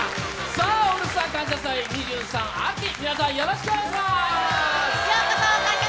さあ「オールスター感謝祭２３秋」、皆さん、よろしくお願いします！